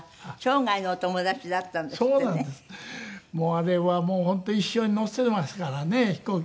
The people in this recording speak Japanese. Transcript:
あれはもう本当一緒に乗せますからね飛行機。